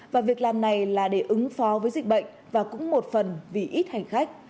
và việc làm này là để ứng phó với dịch bệnh và cũng một phần vì ít hành khách